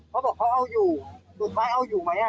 เขาบอกเขาเอาอยู่สุดท้ายเอาอยู่ไหม